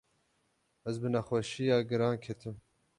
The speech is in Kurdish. ez bi nexweşîya giran ketim.